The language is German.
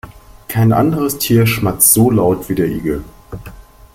Kein anderes Tier schmatzt so laut wie der Igel.